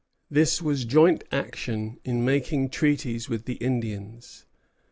This was joint action in making treaties with the Indians.